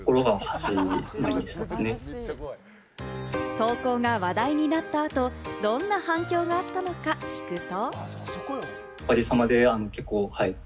投稿が話題になった後、どんな反響があったのか聞くと。